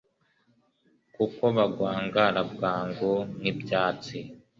kuko bagwangara bwangu nk'ibyatsi